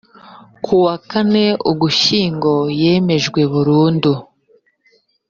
kuwa kane ugushyingo yemejwe burundu